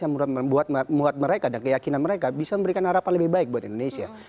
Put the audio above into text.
yang membuat mereka dan keyakinan mereka bisa memberikan harapan lebih baik buat indonesia